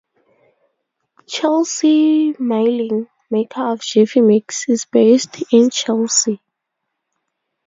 Chelsea Milling, maker of Jiffy Mix, is based in Chelsea.